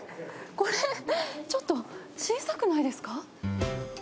これ、ちょっと小さくないですか？